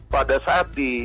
pada saat di